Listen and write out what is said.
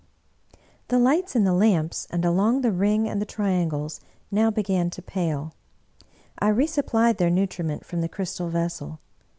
The lights in the lamps and along the ring and the tri 87 English Mystery Stories angles now began to pale. I resupplied their nutriment from the crystal vessel.